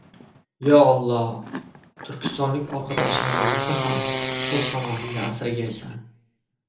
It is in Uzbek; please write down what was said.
— Yo, olloh! Turkistonlik orqadoshlarimizni ham o‘z panohingda asragaysan.